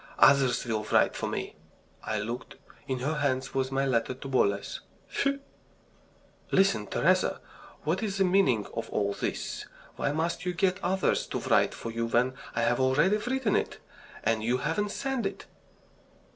Others will write for me." I looked. In her hand was my letter to Boles. Phew! "Listen, Teresa! What is the meaning of all this? Why must you get others to write for you when I have already written it, and you haven't sent it?"